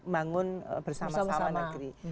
bangun bersama sama negeri